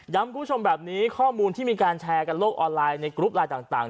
คุณผู้ชมแบบนี้ข้อมูลที่มีการแชร์กันโลกออนไลน์ในกรุ๊ปไลน์ต่าง